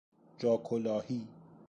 جا کلاهی